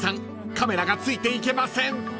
カメラがついていけません］